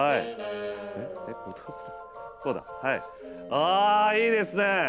あ、いいですね！